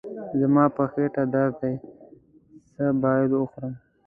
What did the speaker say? زما په خېټه درد دی، څه باید وخورم؟